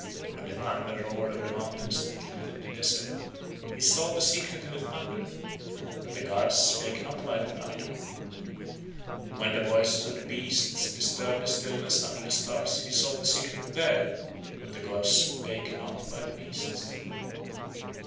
When the thunder roared over the mountains that limited the desert he sought the Secret in the thunder, but the gods spake not by the thunder. When the voices of the beasts disturbed the stillness under the stars he sought the secret there, but the gods spake not by the beasts.